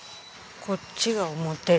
こっちが表で。